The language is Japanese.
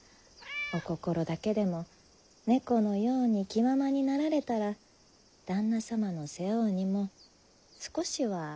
お心だけでも猫のように気ままになられたら旦那様の背負う荷も少しは軽くなりましょう？